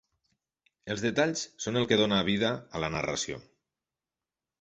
Els detalls són el que dona vida a la narració.